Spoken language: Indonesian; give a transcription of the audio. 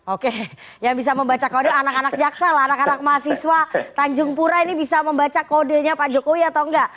oke yang bisa membaca kode anak anak jaksa lah anak anak mahasiswa tanjung pura ini bisa membaca kodenya pak jokowi atau enggak